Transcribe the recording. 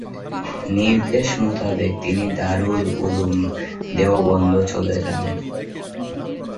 নির্দেশ মোতাবেক তিনি দারুল উলুম দেওবন্দ চলে যান।